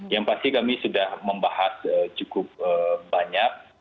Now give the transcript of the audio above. yang pasti kami sudah membahas cukup banyak